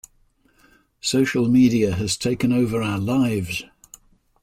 Social media has taken over our lives.